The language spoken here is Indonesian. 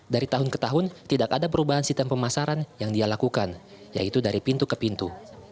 dari tahun ke tahun tidak ada perubahan sistem pemasaran yang dia lakukan yaitu dari pintu ke pintu